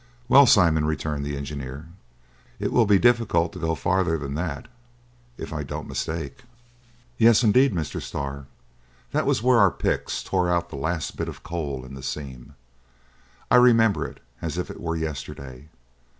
"Well, Simon," returned the engineer, "it will be difficult to go further than that, if I don't mistake." "Yes, indeed, Mr. Starr. That was where our picks tore out the last bit of coal in the seam. I remember it as if it were yesterday.